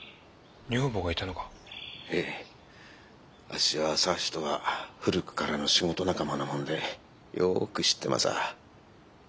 あっしは佐八とは古くからの仕事仲間なもんでよく知ってまさあ。